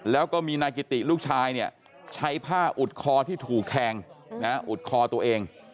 แล้วก็มีนายกิติลูกชายเนี่ยใช้ผ้าอุดคอที่ถูกแทงอุดคอตัวเอง